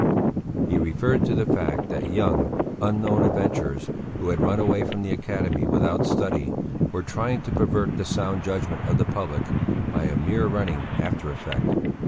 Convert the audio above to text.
He referred to the fact that young, unknown adventurers, who had run away from the academy without study, were trying to pervert the sound judgment of the public by a mere running after effect.